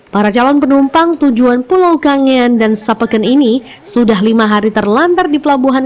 para calon penumpang tujuan pulau kangean dan sapeken ini sudah lima hari terlantar di pelabuhan